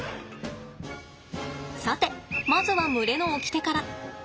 さてまずは群れのおきてから。